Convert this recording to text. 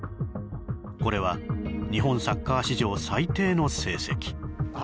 これは、日本サッカー史上最低の成績。